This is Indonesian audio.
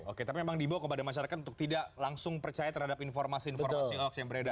oke tapi memang dibawa kepada masyarakat untuk tidak langsung percaya terhadap informasi informasi hoax yang beredar